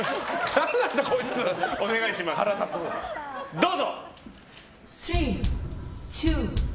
どうぞ！